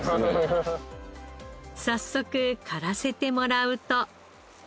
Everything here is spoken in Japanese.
早速刈らせてもらうと。